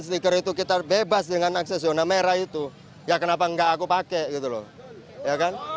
stiker itu kita bebas dengan akses zona merah itu ya kenapa enggak aku pakai gitu loh ya kan